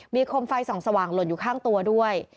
มีคมไฟส่องสว่างหล่นอยู่ข้างตัวด้วย